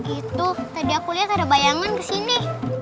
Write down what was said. itu tadi aku lihat ada bayangan kesini